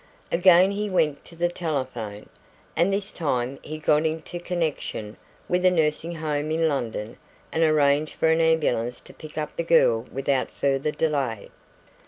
Again he went to the telephone, and this time he got into connection with a nursing home in London and arranged for an ambulance to pick up the girl without further delay.